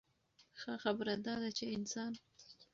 ښۀ خبره دا ده چې انسان